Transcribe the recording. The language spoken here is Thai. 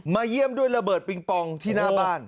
เยี่ยมด้วยระเบิดปิงปองที่หน้าบ้าน